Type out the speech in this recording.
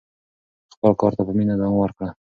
خپل کار ته په مینه دوام ورکړه.